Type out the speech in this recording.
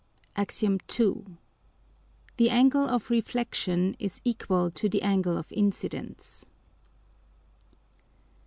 _ AX. II. _The Angle of Reflexion is equal to the Angle of Incidence.